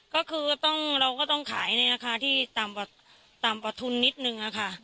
ก็คือต้องเราก็ต้องขายเนี้ยนะคะที่ต่ำต่ำต่ำตัวทุนนิดหนึ่งอะค่ะ